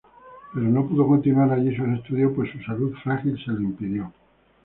Pero no pudo continuar allí sus estudios pues su salud frágil se lo impidió.